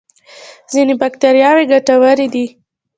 ځینې بکتریاوې ګټورې دي